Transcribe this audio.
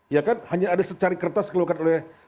ya kan hanya ada secari kertas keluarkan oleh